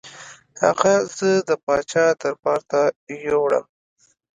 هغه زه د پاچا دربار ته یووړم.